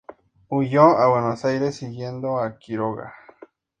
Huyó a Buenos Aires siguiendo a Quiroga.